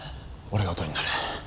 俺がおとりになる。